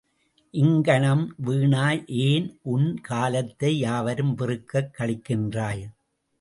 இங்கனம் வீணாய் ஏன் உன் காலத்தை யாவரும் வெறுக்கக் கழிக்கின்றாய்.